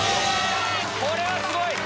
これはすごい！